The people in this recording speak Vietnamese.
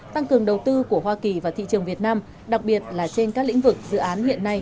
tăng cường đầu tư của hoa kỳ vào thị trường việt nam đặc biệt là trên các lĩnh vực dự án hiện nay